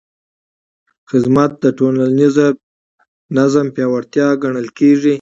خدمت د ټولنیز نظم پیاوړتیا ګڼل کېږي.